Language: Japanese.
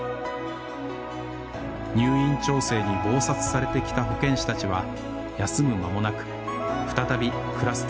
入院調整に忙殺されてきた保健師たちは休む間もなく再びクラスターの封じ込めに